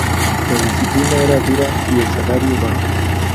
La disciplina era dura y el salario bajo.